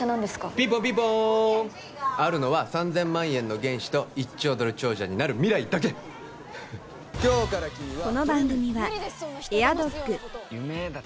ピンポンピンポーンあるのは３０００万円の原資と１兆ドル長者になる未来だけおっうまいねぇ。